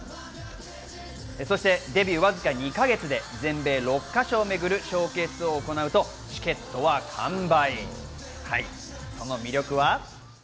そしてデビューわずか２か月で全米６か所を巡るショーケースを行うとチケットは完売。